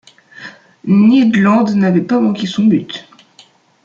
Ned Land n’avait pas manqué son but.